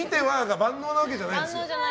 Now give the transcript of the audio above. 万能なわけじゃないですよ。